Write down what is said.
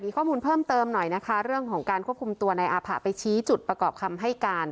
ข้อมูลเพิ่มเติมหน่อยนะคะเรื่องของการควบคุมตัวนายอาผะไปชี้จุดประกอบคำให้การ